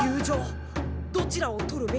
どちらを取るべきか。